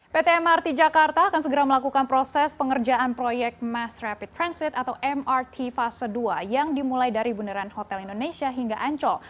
pt mrt jakarta akan segera melakukan proses pengerjaan proyek mass rapid transit atau mrt fase dua yang dimulai dari bundaran hotel indonesia hingga ancol